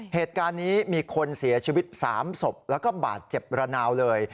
เหตุการณ์นี้มีคนเสียชีวิต๓ศพแล้วก็บาดเจ็บระนาวเลย